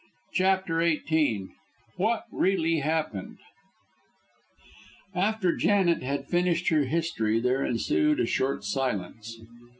CHAPTER XVIII WHAT REALLY HAPPENED After Janet had finished her history there ensued a short silence.